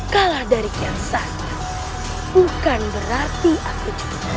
kalah dari kesakit bukan berarti aku jatuh